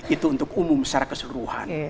itu untuk umum secara keseluruhan